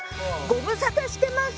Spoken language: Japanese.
ご無沙汰してます。